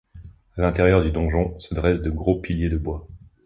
À l'intérieur du donjon se dressent de gros piliers de bois.